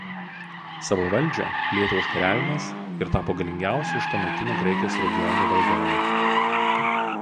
Savo valdžia plėtė užkariavimais ir tapo galingiausiu iš tuometinių Graikijos regionų valdovu.